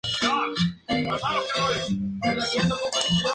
El teniente "Burnett" continúa con su carrera en la Marina de los Estados Unidos.